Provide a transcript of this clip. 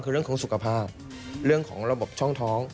คือเรื่องของสุขภาพเรื่องของระบบช่องท้อง